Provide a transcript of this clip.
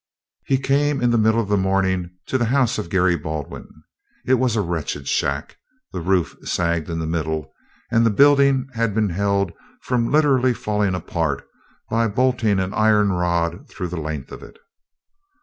He came in the middle of the morning to the house of Garry Baldwin. It was a wretched shack, the roof sagged in the middle, and the building had been held from literally falling apart by bolting an iron rod through the length of it.